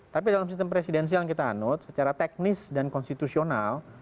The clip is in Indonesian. tapi dalam sistem presidensial yang kita anut secara teknis dan konstitusional